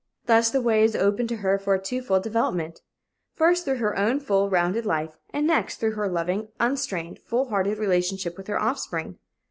Thus the way is open to her for a twofold development; first, through her own full rounded life, and next, through her loving, unstrained, full hearted relationship with her offspring.